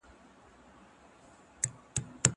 کېدای سي درسونه سخت وي!!